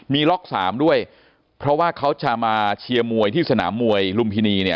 มีล็อกสามด้วยเพราะว่าเขาจะมาเชียร์มวยที่สนามมวยลุมพินีเนี่ย